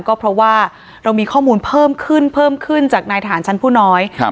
ก็เพราะว่าเรามีข้อมูลเพิ่มขึ้นเพิ่มขึ้นจากนายทหารชั้นผู้น้อยครับ